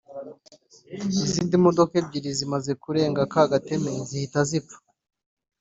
izindi modoka ebyiri zimaze kurenga ka gateme zihita zipfa